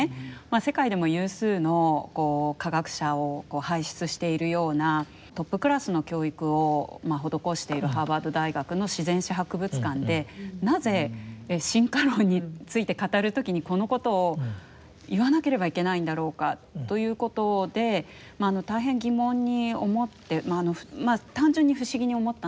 世界でも有数の科学者を輩出しているようなトップクラスの教育を施しているハーバード大学の自然史博物館でなぜ進化論について語る時にこのことを言わなければいけないんだろうかということで大変疑問に思ってまあ単純に不思議に思ったんですね。